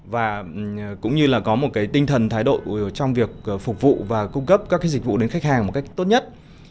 và cũng như là có một cái tinh thần thái độ trong việc phục vụ và cung cấp các dịch vụ đến khách hàng một cách tốt nhất